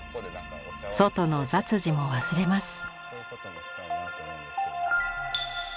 外の雑事も忘れます。